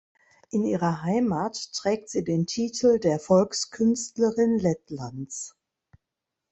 In ihrer Heimat trägt sie den Titel der Volkskünstlerin Lettlands.